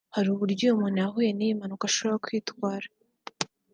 Hari uburyo umuntu wahuye n’iyi mpanuka ashobora kwitwara